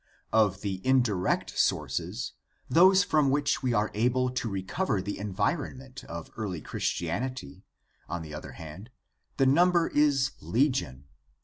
Of the indirect sources, those from which we are able to recover the environment of early Christianity, on the other hand, the number is legion.